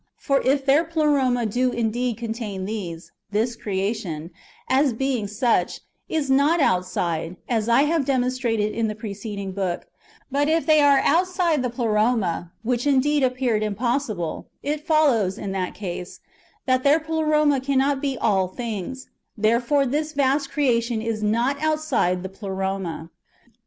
For if their Pleroma do indeed contain these, this creation, as being such, is not outside, as I have demonstrated in the preceding book ;^ but if they are outside the Pleroma, which indeed appeared impossible, it follows, in that case, that their Ple roma cannot be "all things:" therefore this vast creation is not outside [the Pleroma].